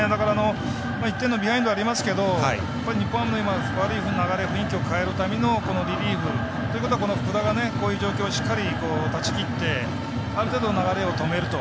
１点のビハインドはありますけど日本ハムの悪い雰囲気を変えるためのリリーフということはということはこの福田がこの状況をしっかり断ち切ってある程度、流れを止めると。